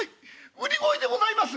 売り声でございます」。